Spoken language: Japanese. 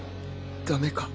ダメか